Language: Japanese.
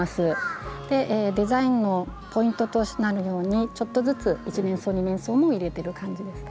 デザインのポイントとなるようにちょっとずつ一年草二年草も入れてる感じですね。